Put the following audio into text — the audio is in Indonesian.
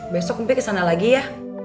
besok mpih ke sana lagi ya